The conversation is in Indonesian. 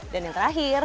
dan yang terakhir